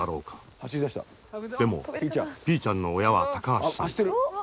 でもピーちゃんの親は高橋さんだ。